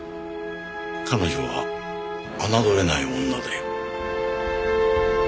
彼女は侮れない女だよ。